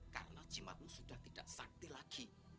karena cimaku sudah tidak sakti lagi